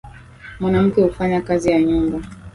Mwanamke hufanya kazi ya nyumba.